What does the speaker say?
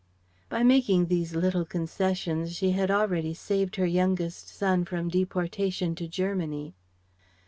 By making these little concessions she had already saved her youngest son from deportation to Germany.